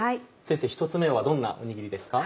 先生１つ目はどんなおにぎりですか？